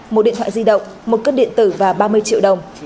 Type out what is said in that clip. một điện thoại di động một cân điện tử và ba mươi triệu đồng